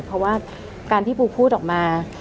เพราะว่าการที่ปูพูดออกมา